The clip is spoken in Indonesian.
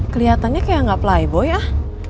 keliatannya kayak gak playboy ah